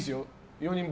４人分。